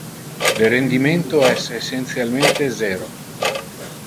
Le rendimento es essentialmente zero.